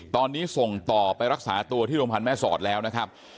ตอนนี้ส่งต่อไปรักษาตัวที่โรงพยาบาลแม่สอดแล้วนะครับ